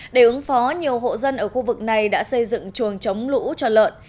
để ứng phó nhiều hộ dân ở khu vực này đã xây dựng chuồng chống lũ cho lợn